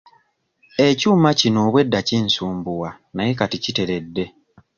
Ekyuma kino obwedda kinsumbuwa naye kati kiteredde.